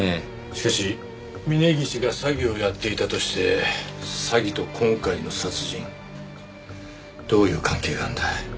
しかし峰岸が詐欺をやっていたとして詐欺と今回の殺人どういう関係があるんだ？